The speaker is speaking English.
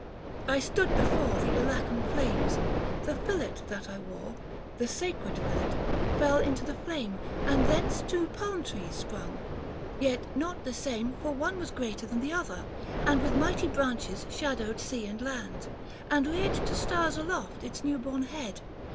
<I stood before The Iliacan flames ; the fillet that I wore — The sacred fillet — fell into the flame, And thence two Palm trees sprung ; yet not the same, For one was greater than the other, and 35 With mighty branches shadowed sea and land, And reared to stars aloft its new born head.